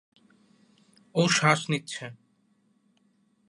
ও শ্বাস নিচ্ছে।